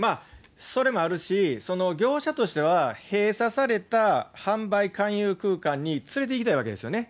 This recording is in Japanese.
それもあるし、業者としては、閉鎖された販売勧誘空間に連れていきたいわけですよね。